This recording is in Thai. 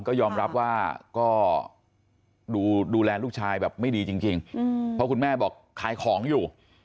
ก็ยอมรับว่าก็ดูแลลูกชายแบบไม่ดีจริงเพราะคุณแม่บอกขายของอยู่